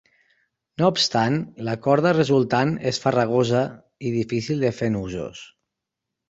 No obstant, la corda resultant és farragosa i difícil de fer nusos.